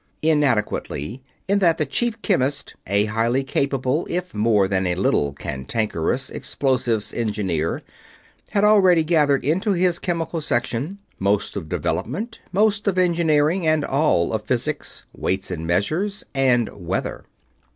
"Inadequately" in that the Chief Chemist, a highly capable if more than a little cantankerous Explosives Engineer, had already gathered into his Chemical Section most of Development, most of Engineering, and all of Physics, Weights and Measures, and Weather.